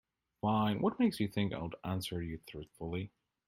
Fine, what makes you think I'd answer you truthfully?